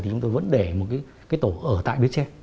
thì chúng tôi vẫn để một cái tổ ở tại bến tre